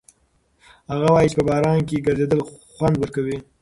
هغه وایي چې په باران کې ګرځېدل خوند ورکوي.